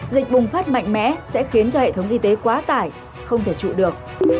dịch bùng phát mạnh mẽ sẽ khiến cho hệ thống y tế quá tải không thể trụ được